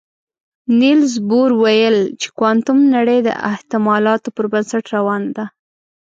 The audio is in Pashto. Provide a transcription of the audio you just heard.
نيلز بور ویل چې کوانتم نړۍ د احتمالاتو پر بنسټ روانه ده.